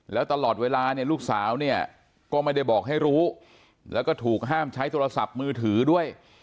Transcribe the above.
แล้วตลอดเวลาเนี่ยลูกสาวเนี่ยก็ไม่ได้บอกให้รู้แล้วก็ถูกห้ามใช้โทรศัพท์มือถือด้วย